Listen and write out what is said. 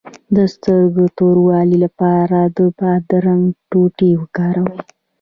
د سترګو د توروالي لپاره د بادرنګ ټوټې وکاروئ